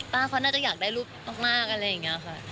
เขาน่าจะอยากได้รูปมากอะไรอย่างนี้ค่ะ